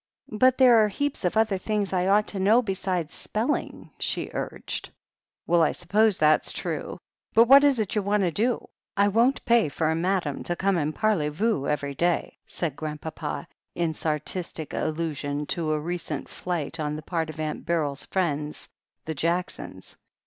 "But there are heaps of other things I ought to know besides spelling," she urged. "Well, I suppose that's true. But what is it you want to do ? I won't pay for a Madame to come and parlyvoo every day," said Grandpapa in sarcastic al lusion to a recent flight on the part of Aunt Beryl's friends, the Jacksons.